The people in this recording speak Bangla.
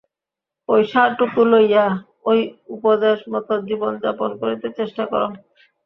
ঐ সারটুকু লইয়া ঐ উপদেশমত জীবনযাপন করিতে চেষ্টা কর।